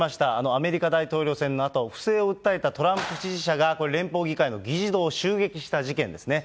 アメリカ大統領選のあと、不正を訴えたトランプ支持者が、これ、連邦議会の議事堂を襲撃した事件ですね。